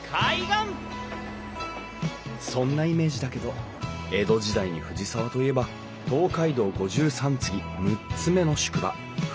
そんなイメージだけど江戸時代に藤沢といえば東海道五十三次６つ目の宿場藤沢宿。